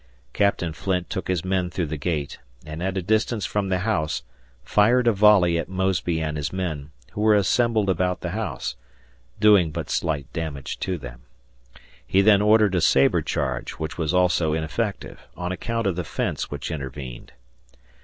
Capt. Flint took his men through the gate, and, at a distance from the house, fired a volley at Mosby and his men, who were assembled about the house, doing but slight damage to them. He then ordered a sabre charge, which was also ineffective, on account of the fence which intervened.